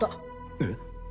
えっ？